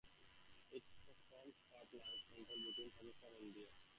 It forms part of the Line of Control between Pakistan and India.